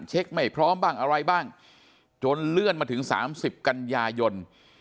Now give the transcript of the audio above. ไม่พร้อมบ้างอะไรบ้างจนเลื่อนมาถึง๓๐กันยายน